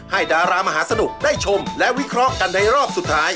ดารามหาสนุกได้ชมและวิเคราะห์กันในรอบสุดท้าย